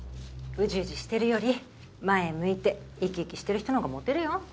うじうじしてるより前向いて生き生きしてる人の方がモテるよ。